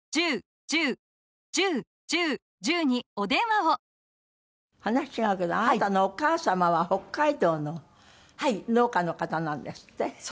話は違うけどあなたのお母様は北海道の農家の方なんですって？